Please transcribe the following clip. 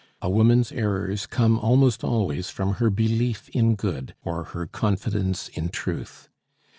A woman's errors come almost always from her belief in good or her confidence in truth.